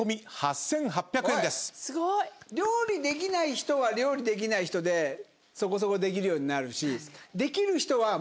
すごい！料理できない人は料理できない人でそこそこできるようになるし。